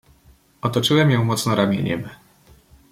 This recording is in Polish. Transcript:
"Otoczyłem ją mocno ramieniem."